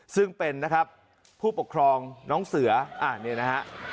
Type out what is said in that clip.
ซึ่งเป็นนะครับผู้ปกครองน้องเสือนี่นะฮะ